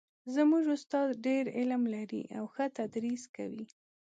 زموږ استاد ډېر علم لري او ښه تدریس کوي